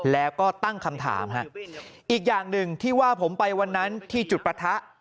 แล้วก็ตั้งคำถามอีกอย่างหนึ่งที่ว่าผมไปวันนั้นที่จุดประทะ